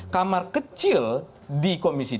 kamar kecil di komisi tiga